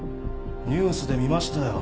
ニュースで見ましたよ。